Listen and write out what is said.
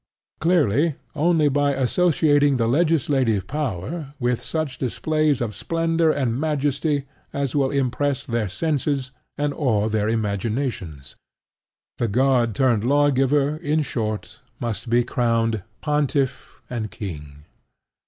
Clearly, only by associating the legislative power with such displays of splendor and majesty as will impress their senses and awe their imaginations. The god turned lawgiver, in short, must be crowned Pontiff and King.